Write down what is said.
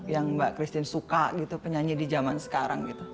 yang mbak christine suka gitu penyanyi di zaman sekarang gitu